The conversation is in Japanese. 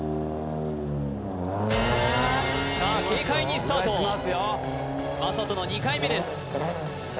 さあ軽快にスタート魔裟斗の２回目です